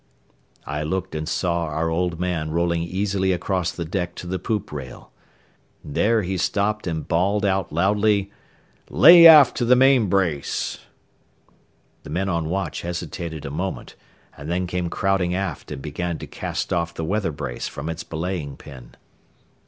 I looked and saw our old man rolling easily across the deck to the poop rail. There he stopped and bawled out loudly, "Lay aft to the main brace." The men on watch hesitated a moment and then came crowding aft and began to cast off the weather brace from its belaying pin.